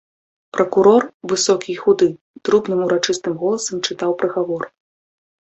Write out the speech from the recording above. Пракурор, высокі і худы, трубным урачыстым голасам чытаў прыгавор.